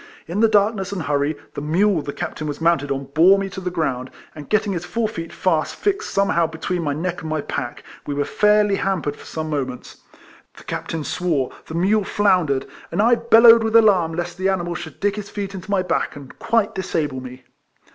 In the darkness and hurry, the mule the captain was mounted on bore me to the ground, and, getting his fore feet fast fixed some 162 RECOLLECTIONS OF how between my neck and my pack, we were fairly hampered for some moments. The captain swore, the mule floundered, and I bellowed with alarm lest the animal should dig his feet into my back, and quite disable me.